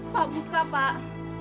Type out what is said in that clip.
pak buka pak